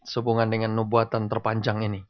sehubungan dengan nubuatan terpanjang ini